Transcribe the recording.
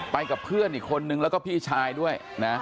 กับเพื่อนอีกคนนึงแล้วก็พี่ชายด้วยนะ